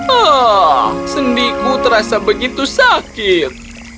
ah sendiku terasa begitu sakit